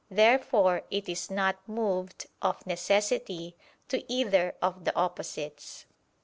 Therefore it is not moved, of necessity, to either of the opposites.